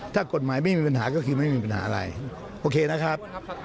ถ้ากฎหมายไม่มีปัญหาก็คือไม่มีปัญหาอะไรโอเคนะครับ